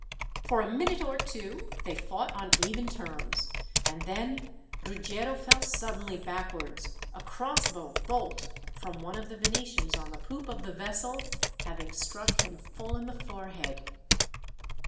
For a minute or two they fought on even terms, and then Ruggiero fell suddenly backwards, a crossbow bolt, from one of the Venetians on the poop of the vessel, having struck him full in the forehead.